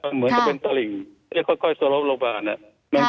เหมือนจะเป็นตริ่งที่จะค่อยสลบโรคบาล